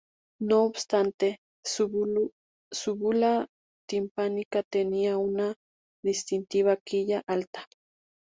No obstante, su bula timpánica tenía una distintiva quilla alta.